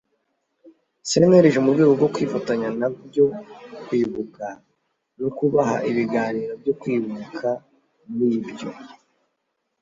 Cnlg mu rwego rwo kwifatanya nabyo kwibuka no kubaha ibiganiro byo kwibuka muri ibyo